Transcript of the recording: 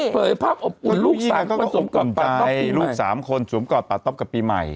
เปิดภาพอบกุญลูกสองคอนใจลูกสามคนสวมกอดปัตรปกับปีใหม่